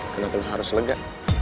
kenapa lo harus lega